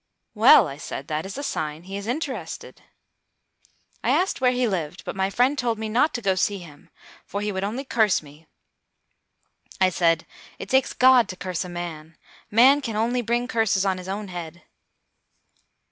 "Well," I said, "that is a sign he is interested." I asked where he lived, but my friend told me not to go to see him; for he would only curse me. I said, "It takes God to curse a man: man can only bring curses on his own head."